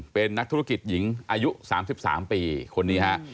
เป็นนักธุรกิจหญิงอายุ๓๓ปีคนนี้ฮะ